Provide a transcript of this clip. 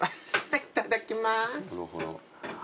いただきます。